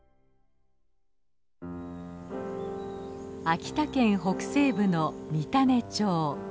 秋田県北西部の三種町。